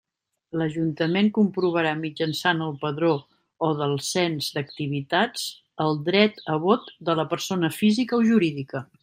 L'Ajuntament comprovarà mitjançant el Padró o del Cens d'Activitats el dret a vot de la persona física o jurídica.